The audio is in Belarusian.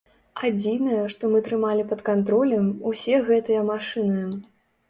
Адзінае, што мы трымалі пад кантролем, усе гэтыя машыны.